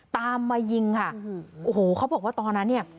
ตามมายิงค่ะโอ้โหเขาบอกว่าตอนนั้นเนี่ย